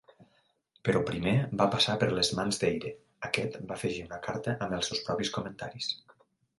Però primer va passar per les mans d'Eyre, aquest va afegir una carta amb els seus propis comentaris.